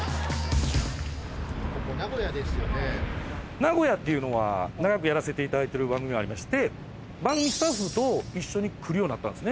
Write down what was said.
名古屋っていうのは長くやらせていただいている番組がありまして番組スタッフと一緒に来るようになったんですよね